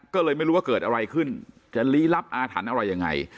ก็เลยไม่รู้ว่าเกิดอะไรขึ้นจะลี้ลับอาถรรพ์อะไรยังไง